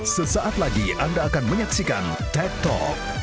sesaat lagi anda akan menyaksikan tech talk